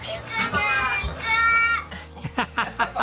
ハハハハ！